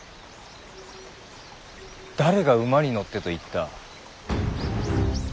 誰が馬に乗ってと言った。